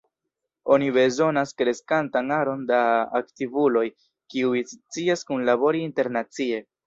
Oni bezonas kreskantan aron da aktivuloj, kiuj scias kunlabori internacie.